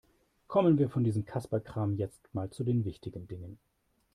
Kommen wir von diesem Kasperkram jetzt mal zu den wichtigen Dingen.